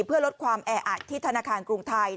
เพื่อลดความแออัดที่ธนาคารกรุงไทย